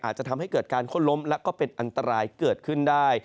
อาจจะทำให้เกิดการค้นล้มและก็เป็นอันตรายเกิดขึ้นได้